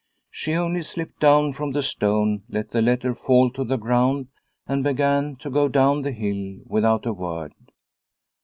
She only slipped down from the stone, let the letter fall to the ground, and began to go down the hill without a word.